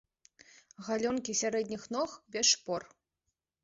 Галёнкі сярэдніх ног без шпор.